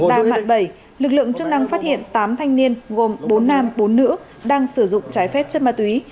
tại mạng bảy lực lượng chức năng phát hiện tám thanh niên gồm bốn nam bốn nữ đang sử dụng trái phép chất ma túy